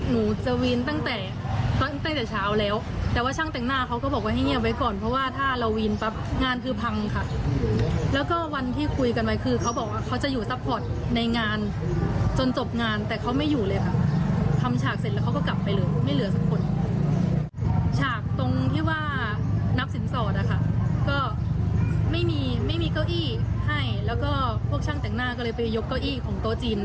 ไม่มีเก้าอี้ให้แล้วก็พวกช่างแต่งหน้าก็เลยไปยกเก้าอี้ของโต๊ะจีนมาให้นั่ง